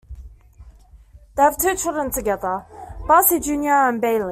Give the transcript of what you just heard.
They have two children together, Bracey Junior and Bailey.